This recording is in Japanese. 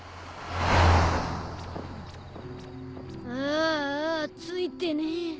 ああついてねぇ。